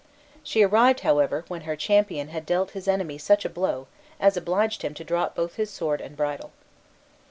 She arrived, however, when her champion had dealt his enemy such a blow as obliged him to drop both his sword and bridle.